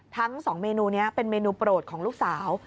ทั้งสองเมนูนี้เป็นเมนูโปรดของลูกสาว